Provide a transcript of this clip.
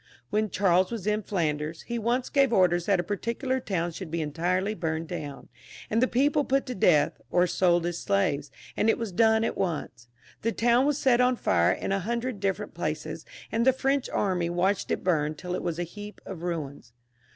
When Charles was in Flanders, he once gave orders that a particular town should be en tirely burned down, and the people put to death, or sold as slaves, and it was done at once. The town was set on fire in a hundred different places, and the French army watched it bum till it was a heap of ruins.